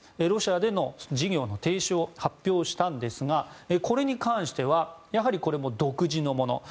ロシアでの事業の停止を発表したんですがこれに関してはやはり、これも独自のもの。